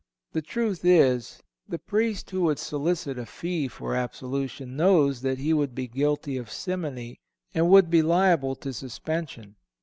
The truth is, the Priest who would solicit a fee for absolution knows that he would be guilty of simony, and would be liable to suspension.